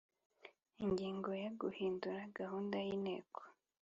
Ingingo ya Guhindura gahunda y Inteko